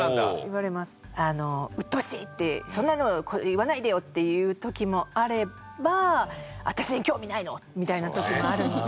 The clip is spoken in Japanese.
うっとうしい！ってそんなの言わないでよ！っていう時もあれば私に興味ないの！みたいな時もあるので。